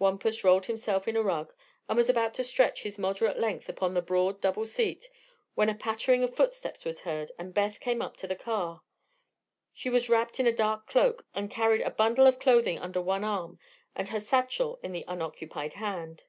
Wampus rolled himself in a rug and was about to stretch his moderate length upon the broad double seat when a pattering of footsteps was heard and Beth came up to the car. She was wrapped in a dark cloak and carried a bundle of clothing under one arm and her satchel in the unoccupied hand.